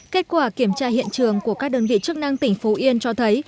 kết quả kiểm tra hiện trường của các đơn vị chức năng tỉnh phú yên cho thấy